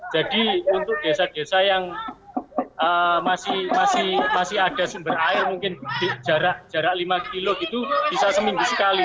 jadi untuk desa desa yang masih ada sumber air mungkin jarak lima km itu bisa seminggu sekali